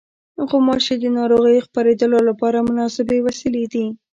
غوماشې د ناروغیو خپرېدلو لپاره مناسبې وسیلې دي.